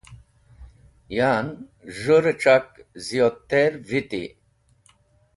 Yan z̃hũ rẽc̃hak ziyodter viti.